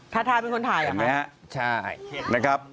ถาดภาพเป็นคนไทยหรอบครับเห็นมั้ยครับ